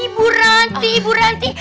ibu ranti ibu ranti